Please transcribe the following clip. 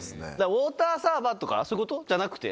ウオーターサーバーとかそういうことじゃなくて？